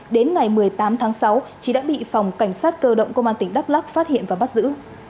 đến ngày một mươi tám tháng sáu trí đã bị phòng cảnh sát cơ động công an tỉnh đắk lắc phát hiện và bắt giữ